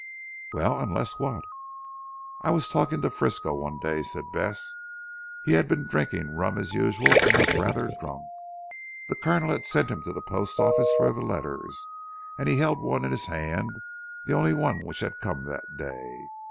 "Well, unless what?" "I was talking to Frisco one day," said Bess, "he had been drinking rum as usual and was rather drunk. The Colonel had sent him to the post office for the letters and he held one in his hand the only one which had come that day.